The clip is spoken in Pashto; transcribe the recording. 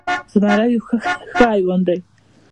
زمری یو ښه حیوان ده